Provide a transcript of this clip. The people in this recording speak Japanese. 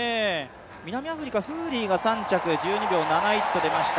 南アフリカ、フーリーが３着、１２秒７１と出ました。